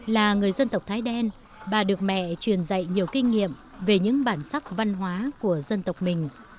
là người dân tộc thái đen bà được mẹ truyền dạy nhiều kinh nghiệm về những bản sắc văn hóa của dân tộc mình